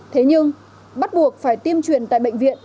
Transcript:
thế nhưng bắt buộc phải tiêm truyền tại bệnh viện